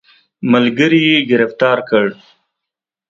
ملګري یې ګرفتار کړ.